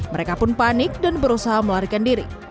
mereka pun panik dan berusaha melarikan diri